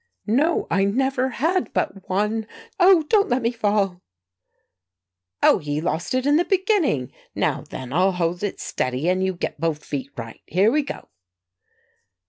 "No; I never had but one! Oh, don't let me fall!" "Oh, ye lost it in the beginning; now, then, I'll hold it steady, and you get both feet right. Here we go!"